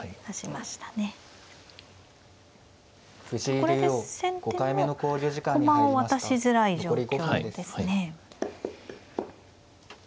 これで先手も駒を渡しづらい状況ですね。